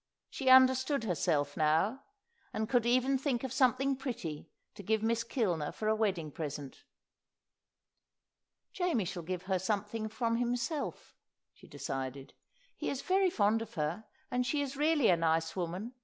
She understood herself now, and could even think of something pretty to give Miss Kilner for a wedding present. "Jamie shall give her something from himself," she decided. "He is very fond of her, and she is really a nice woman.